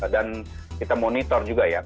dan kita monitor juga ya